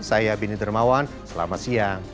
saya beni dermawan selamat siang